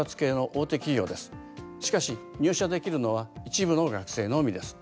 しかし入社できるのは一部の学生のみです。